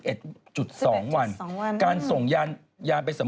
โอ้เราจะมีชีวิตอยู่ถึงตอนนั้นไหมอ่ะ